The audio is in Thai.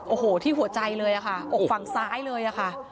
โอ้โหที่หัวใจเลยค่ะอกฝั่งซ้ายเลยค่ะ